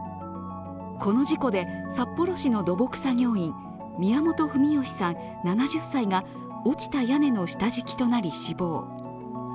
この事故で札幌市の土木作業員、宮本文義さん７０歳が落ちた屋根の下敷きとなり死亡。